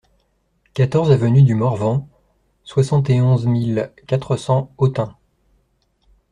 quatorze avenue du Morvan, soixante et onze mille quatre cents Autun